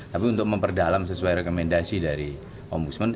tapi untuk memperdalam sesuai rekomendasi dari ombudsman